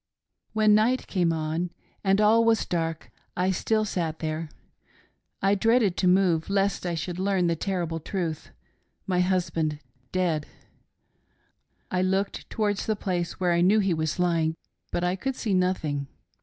" When night came on and all was dark I still sat there ; I dreaded to move lest I should learn the terrible truth — my husband dead ! I looked towards the place where I knew he was lying, but I could see nothing.